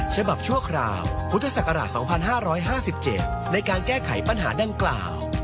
ชั่วคราวพุทธศักราช๒๕๕๗ในการแก้ไขปัญหาดังกล่าว